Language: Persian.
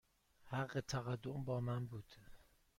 حق تقدم با من بود.